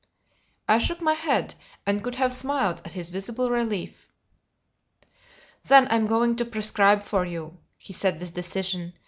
I shook my head, and could have smiled at his visible relief. "Then I'm going to prescribe for you," he said with decision.